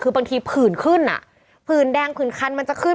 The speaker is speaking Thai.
คือบางทีผื่นขึ้นอ่ะผื่นแดงผื่นคันมันจะขึ้น